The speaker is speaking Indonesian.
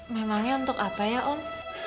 memangnya untuk apa ya om